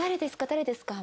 誰ですか？」